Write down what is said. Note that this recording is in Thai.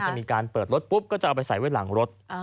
จะมีการเปิดรถปุ๊บก็จะเอาไปใส่ไว้หลังรถ